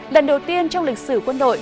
lần đầu tiên trong lịch sử quân đội